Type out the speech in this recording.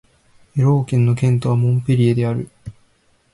エロー県の県都はモンペリエである